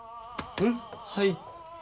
はい。